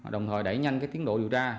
đồng thời đẩy nhanh tiến độ điều tra